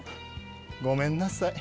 ごめんなさい。